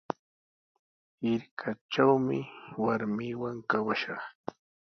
Hirkatrawmi warmiiwan kawashaq.